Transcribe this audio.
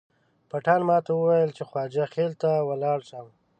پټان ماته وویل چې خواجه خیل ته ولاړ شم.